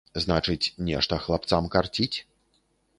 Значыць, нешта хлапцам карціць.